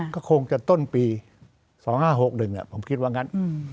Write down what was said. ก็คงจะต้นปี๒๕๖๑ผมคิดว่างั้น